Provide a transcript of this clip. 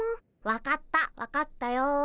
分かった分かったよ。